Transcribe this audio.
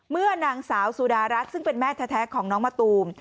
เมื่อนางสาวสุดารัฐซึ่งเป็นแม่แท้ของน้องมะตูม